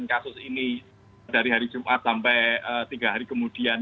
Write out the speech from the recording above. jadi kita harus membuat kasus ini dari hari jumat sampai tiga hari kemudian